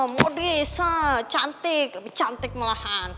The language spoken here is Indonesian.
modis cantik cantik malahan